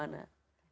sereknya yang mana